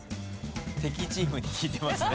敵チームに聞いてますね。